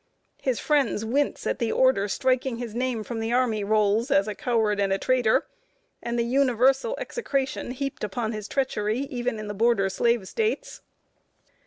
His friends wince at the order striking his name from the army rolls as a coward and a traitor, and the universal execration heaped upon his treachery even in the border slave States.